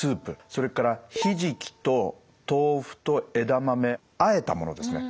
それからひじきと豆腐と枝豆あえたものですね。